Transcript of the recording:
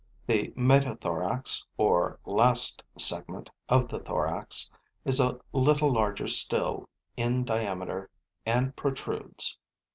The metathorax, or last segment of the thorax, is a little larger still in diameter and protrudes.